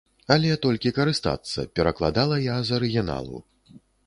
Але толькі карыстацца, перакладала я з арыгіналу.